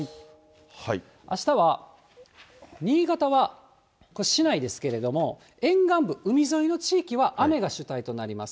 あしたは新潟はこれ、しないですけれども、沿岸部、海沿いの地域は雨が主体となります。